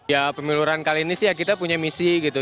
ya pemiluran kali ini sih ya kita punya misi gitu